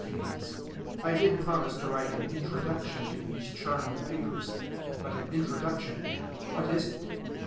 FIELDS, I did promise to write an Introduction to these charming papers but an Introduction, what is it?